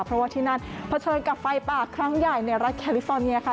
เพราะว่าที่นั่นเผชิญกับไฟป่าครั้งใหญ่ในรัฐแคลิฟอร์เนียค่ะ